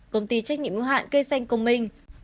công ty trách nhiệm ưu hạn cây xanh công minh